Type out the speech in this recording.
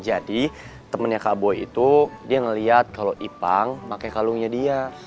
jadi temennya kak boy itu dia ngeliat kalau ipang pakai kalungnya dia